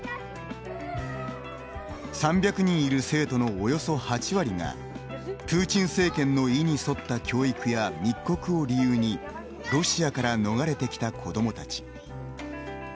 ３００人いる生徒のおよそ８割がプーチン政権の意に沿った教育や密告を理由にロシアから逃れてきた子どもたち。